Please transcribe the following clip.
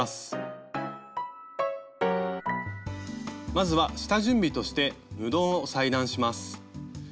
まずは下準備として布を裁断します。